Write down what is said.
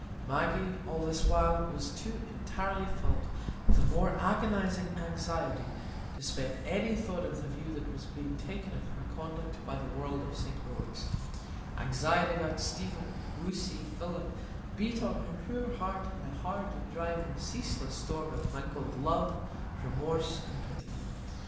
Maggie, all this while, was too entirely filled with a more agonizing anxiety to spend any thought on the view that was being taken of her conduct by the world of St Ogg's; anxiety about Stephen, Lucy, Philip, beat on her poor heart in a hard, driving, ceaseless storm of mingled love, remorse, and pity.